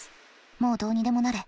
もうどうにでもなれ。